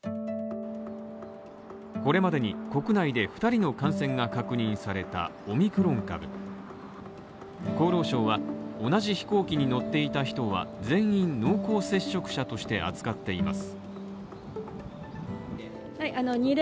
これまでに国内で２人の感染が確認されたオミクロン株厚労省は同じ飛行機に乗っていた人は全員濃厚接触者として扱っています。